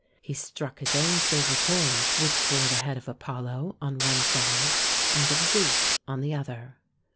He struck his own silver coins which bore the head of Apollo on one side and of Zeus on the other.